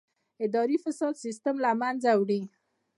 اداري فساد سیستم له منځه وړي.